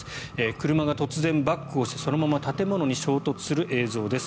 車が突然バックをしてそのまま建物に衝突する映像です。